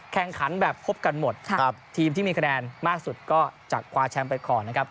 แข่งขันแบบพบกันหมดทีมที่มีคะแนนมากสุดก็จะคว้าแชมป์ไปก่อนนะครับ